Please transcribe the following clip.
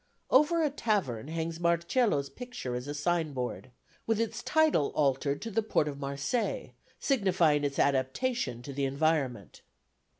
Over a tavern hangs Marcello's picture as a signboard, with its title altered to the Port of Marseilles, signifying its adaptation to its environment.